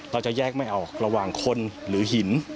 เราจะแยกไม่ออกระหว่างคนหรือหิน